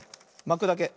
まくだけ。